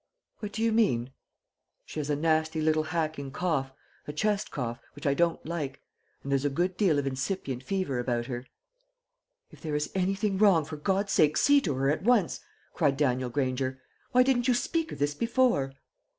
"What do you mean?" "She has a nasty little hacking cough a chest cough which I don't like; and there's a good deal of incipient fever about her." "If there is anything wrong, for God's sake see to her at once!" cried Daniel Granger. "Why didn't you speak of this before?"